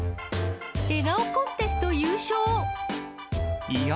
笑顔コンテスト優勝！